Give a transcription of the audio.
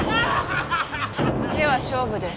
では勝負です。